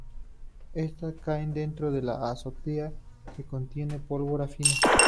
Estas caen dentro de la cazoleta que contiene pólvora fina.